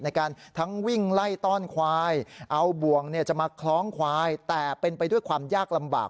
ในการทั้งวิ่งไล่ต้อนควายเอาบ่วงจะมาคล้องควายแต่เป็นไปด้วยความยากลำบาก